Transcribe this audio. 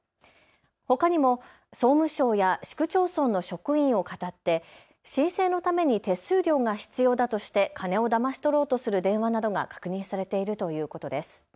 ほかにも総務省や市区町村の職員をかたって申請のために手数料が必要だとして金をだまし取ろうとする電話などが確認されているということです。